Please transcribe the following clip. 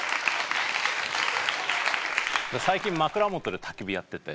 最近枕元でたき火やってて。